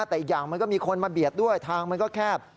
แต่อีกอย่างมันก็มีคนมาเบียดด้วยทางมันก็แคบ